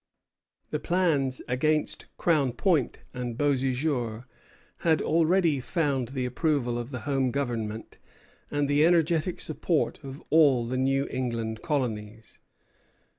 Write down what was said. The plans against Crown Point and Beauséjour had already found the approval of the Home Government and the energetic support of all the New England colonies.